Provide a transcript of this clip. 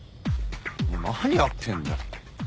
何やってんだよ。